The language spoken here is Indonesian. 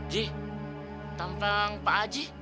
ji tentang pak haji